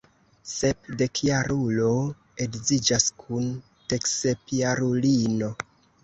Sepdekjarulo edziĝas kun deksepjarulino.